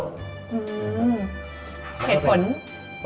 เหตุผล